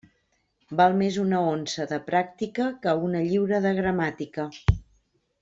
Val més una onça de pràctica que una lliura de gramàtica.